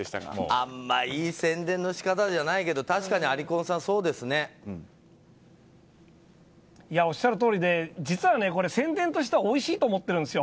あんまりいい宣伝の仕方じゃないけどおっしゃるとおりで実は宣伝としてはおいしいと思ってるんですよ。